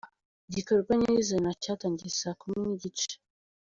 Igikorwa nyirizina cyatangiye saa kumi nigice.